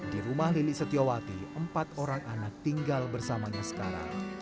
di rumah lili setiawati empat orang anak tinggal bersamanya sekarang